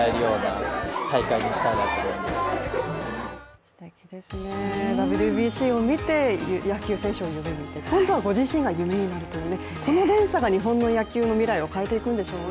素敵ですね、ＷＢＣを見て野球選手を夢みて、今度はご自身が夢になるというこの連鎖が野球の未来を変えていくんでしょうね。